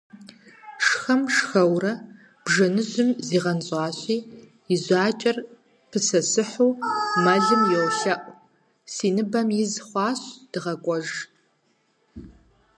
Шхэм–шхэурэ, бжэныжьым зигъэнщӀащи и жьакӀэр пысысыхьу мэлым йолъэӀу: - Си ныбэм из хуащ, дыгъэкӀуэж.